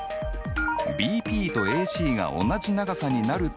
ＢＰとＡＣが同じ長さになる点ということだ。